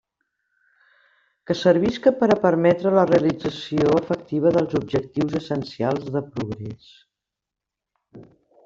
Que servisca per a permetre la realització efectiva dels objectius essencials de progrés.